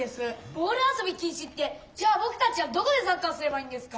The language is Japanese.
ボール遊び禁止ってじゃあぼくたちはどこでサッカーすればいいんですか？